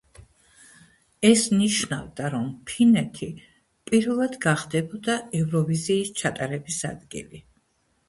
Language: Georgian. ეს ნიშნავდა, რომ ფინეთი პირველად გახდებოდა ევროვიზიის ჩატარების ადგილი.